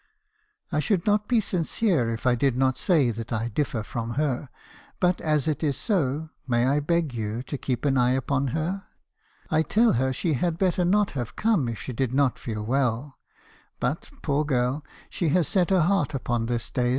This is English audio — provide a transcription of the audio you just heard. I should not be sincere if I did not say that I differ from her ; but as it is so , may I beg you to keep an eye upon her? I tell her she had better not have come if she did not feel well; but, poor girl, she had set her heart upon this day's me.